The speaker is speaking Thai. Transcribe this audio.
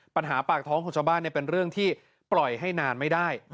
ปัญหาปากท้องของชาวบ้านเป็นเรื่องที่ปล่อยให้นานไม่ได้